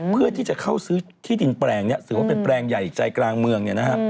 เพื่อที่จะเข้าซื้อที่ดินแปลงถือว่าเป็นแปลงใหญ่ใจกลางเมือง